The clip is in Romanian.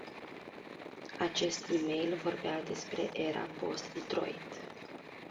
Acest email vorbea despre "era post-Detroit”.